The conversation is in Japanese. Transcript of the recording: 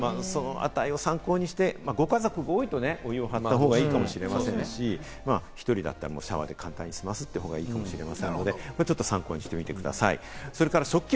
その値を参考にしてご家族が多いとお湯をはった方がいいかもしれませんし、１人だったらシャワーで簡単に済ませた方がいいかもしれませんので、参考にしてみてください。